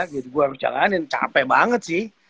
gue harus jalanin capek banget sih